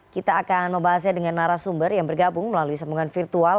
kita akan membahasnya dengan narasumber yang bergabung melalui sambungan virtual